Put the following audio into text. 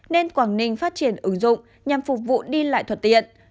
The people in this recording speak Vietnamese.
nên quảng ninh phát triển ứng dụng nhằm phục vụ đi lại thuận tiện